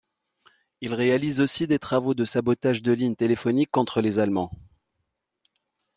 Il réalise aussi des travaux de sabotage de lignes téléphoniques contre les Allemands.